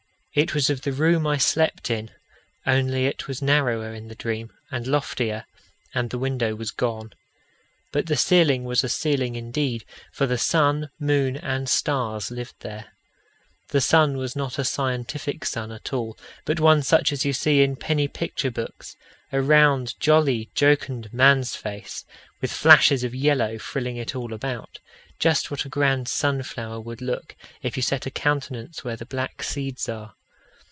It was of the room I slept in, only it was narrower in the dream, and loftier, and the window was gone. But the ceiling was a ceiling indeed; for the sun, moon, and stars lived there. The sun was not a scientific sun at all, but one such as you see in penny picture books a round, jolly, jocund man's face, with flashes of yellow frilling it all about, just what a grand sunflower would look if you set a countenance where the black seeds are.